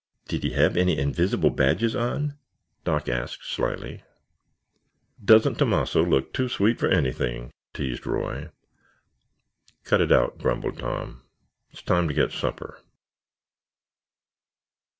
"Did he have any invisible badges on?" Doc asked slyly. "Doesn't Tomasso look too sweet for anything?" teased Roy. "Cut it out," grumbled Tom. "It's time to get supper."